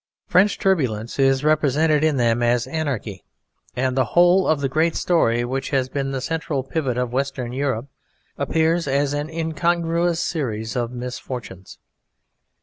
French turbulence is represented in them as anarchy, and the whole of the great story which has been the central pivot of Western Europe appears as an incongruous series of misfortunes.